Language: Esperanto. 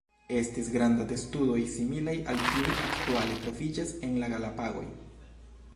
Estis granda testudoj, similaj al tiuj aktuale troviĝas en la Galapagoj.